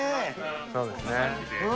そうですね。